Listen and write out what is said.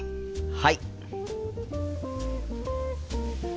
はい。